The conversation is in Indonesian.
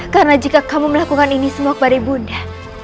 karena jika kamu melakukan ini semua kepada ibu muda